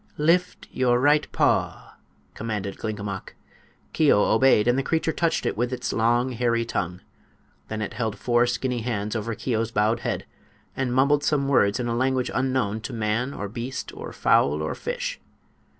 "Lift your right paw," commanded Glinkomok. Keo obeyed, and the creature touched it with its long, hairy tongue. Then it held four skinny hands over Keo's bowed head and mumbled some words in a language unknown to man or beast or fowl or fish.